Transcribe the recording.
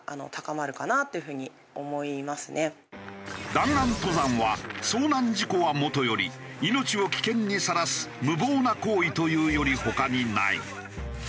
弾丸登山は遭難事故はもとより命を危険にさらす無謀な行為というより他にない。